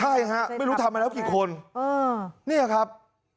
ใช่ฮะไม่รู้ทำไมรับกี่คนนี่ครับ